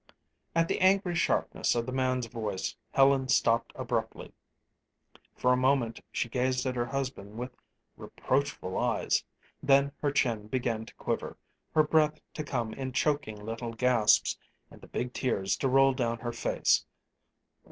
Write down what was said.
At the angry sharpness of the man's voice Helen stopped abruptly. For a moment she gazed at her husband with reproachful eyes. Then her chin began to quiver, her breath to come in choking little gasps, and the big tears to roll down her face.